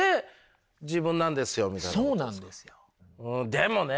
でもね。